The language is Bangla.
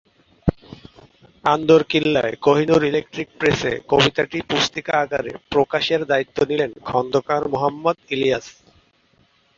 আন্দরকিল্লায় কোহিনূর ইলেকট্রিক প্রেসে কবিতাটি পুস্তিকা আকারে প্রকাশের দায়িত্ব নিলেন খোন্দকার মোহাম্মদ ইলিয়াস।